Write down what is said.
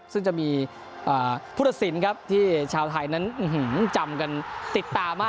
ซึ่งจะมีผู้สินที่ชาวไทยจำกันติดตาม้า